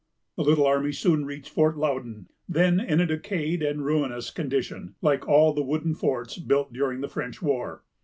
The little army soon reached Fort Loudon, then in a decayed and ruinous condition, like all the wooden forts built during the French war.